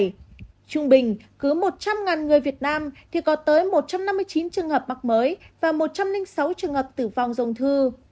trung bình cứ một trăm linh người việt nam thì có tới một trăm năm mươi chín trường hợp mắc mới và một trăm linh sáu trường hợp tử vong dùng thư